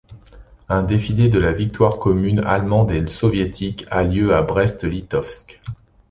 Un défilé de la victoire commune allemande et soviétique a lieu à Brest-Litovsk.